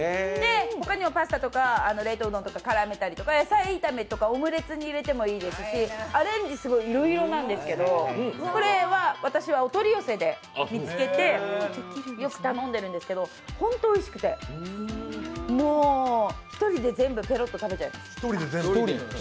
他にもパスタとか冷凍うどんとかカレー炒めとか野菜炒めとかオムレツに入れてもいいですしアレンジすごいいろいろなんですけど、これは私はお取り寄せで見つけてよく頼んでるんですけど本当においしくて、一人で全部ペロッと食べちゃいます。